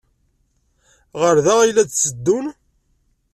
Ɣer da ay la d-tteddun?